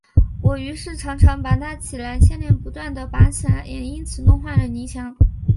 我于是常常拔它起来，牵连不断地拔起来，也曾因此弄坏了泥墙